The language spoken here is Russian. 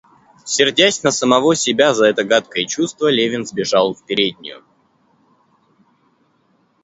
Сердясь на самого себя за это гадкое чувство, Левин сбежал в переднюю.